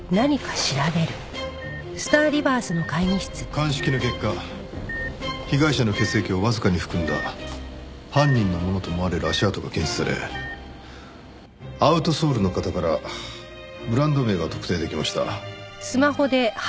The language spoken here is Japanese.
鑑識の結果被害者の血液をわずかに含んだ犯人のものと思われる足跡が検出されアウトソールの型からブランド名が特定できました。